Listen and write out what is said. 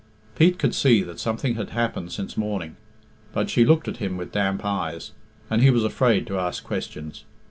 Pete could see that something had happened since morning, but she looked at him with damp eyes, and he was afraid to ask questions.